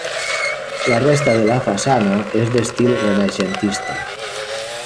La resta de la façana és d'estil renaixentista.